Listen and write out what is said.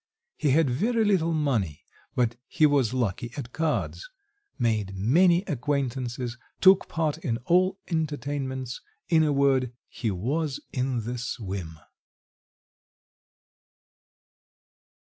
He had very little money, but he was lucky at cards, made many acquaintances, took part in all entertainments, in a word, he was in the swim.